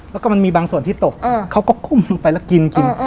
แล้วก็มีบางส่วนที่ตกเขาก็ก้มไปแล้วกิน